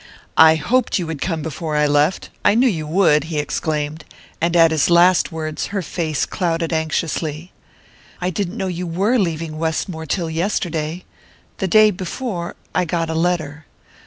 "I hoped you would come before I left I knew you would!" he exclaimed; and at his last words her face clouded anxiously. "I didn't know you were leaving Westmore till yesterday the day before I got a letter...."